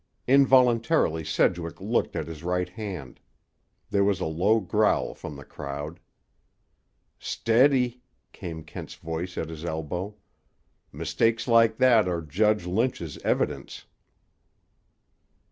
Involuntarily Sedgwick looked at his right hand. There was a low growl from the crowd. "Steady!" came Kent's voice at his elbow. "Mistakes like that are Judge Lynch's evidence."